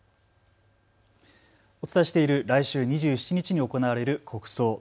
お伝えしている来週２７日に行われる国葬。